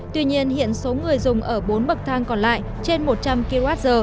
tuy nhiên hiện số người dùng ở bốn bậc thang còn lại trên một trăm linh kwh